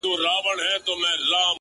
هلته د ژوند تر آخري سرحده ـ